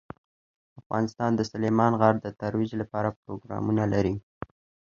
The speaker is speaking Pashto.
افغانستان د سلیمان غر د ترویج لپاره پروګرامونه لري.